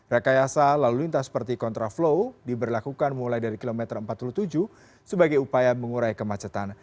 rekayasa lalu lintas seperti kontraflow diberlakukan mulai dari kilometer empat puluh tujuh sebagai upaya mengurai kemacetan